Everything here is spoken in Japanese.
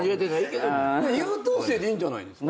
優等生でいいんじゃないですか？